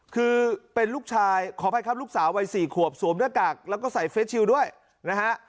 คือเป็นลูกชายขออภัยครับลูกสาววัย๔ขวบสวมหน้ากากแล้วก็ใส่เฟสชิลด้วยนะฮะ